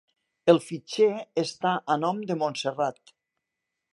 El fitxer està a nom de Montserrat.